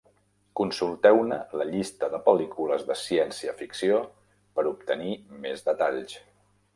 Consulteu-ne la llista de pel·lícules de ciència-ficció per obtenir més detalls.